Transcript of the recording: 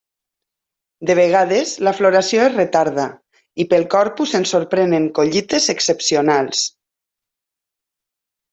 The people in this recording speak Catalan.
De vegades la floració es retarda, i pel Corpus ens sorprenen collites excepcionals.